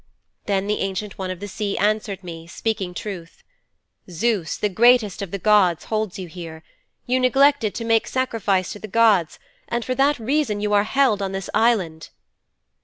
"' 'Then the Ancient One of the Sea answered me, speaking truth, "Zeus, the greatest of all the gods holds you here. You neglected to make sacrifice to the gods and for that reason you are held on this island."